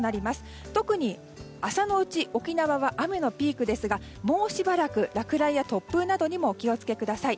特に朝のうち、沖縄は雨のピークですがもうしばらく落雷や突風などにもお気を付けください。